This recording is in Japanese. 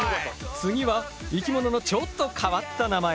次は生き物のちょっと変わった名前。